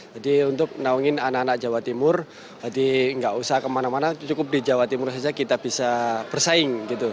jadi untuk naungin anak anak jawa timur jadi enggak usah kemana mana cukup di jawa timur saja kita bisa bersaing gitu